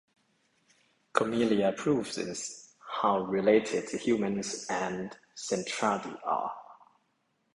Komilia proves how related the Humans and Zentradi are.